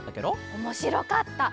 おもしろかった！